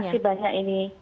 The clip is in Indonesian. iya masih banyak ini